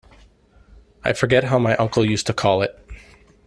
I forget how my uncle used to call it.